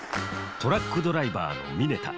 トラックドライバーの峯田。